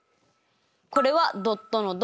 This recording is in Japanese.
これはドットの「ド」。